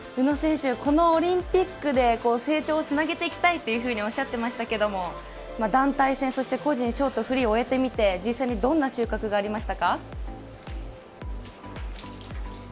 このオリンピックで成長につなげていきたいとおっしゃっていましたけど団体戦、そして個人ショートフリーを終えてみて実際にどんな収穫がありましたか？